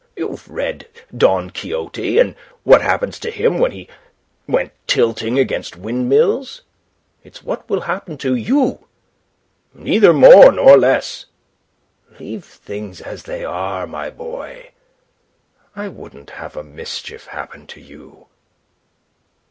You've read 'Don Quixote,' and what happened to him when he went tilting against windmills. It's what will happen to you, neither more nor less. Leave things as they are, my boy. I wouldn't have a mischief happen to you."